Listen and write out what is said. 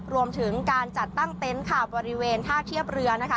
รวมถึงการจัดตั้งเต็นต์บริเวณท่าเทียบเรือนะคะ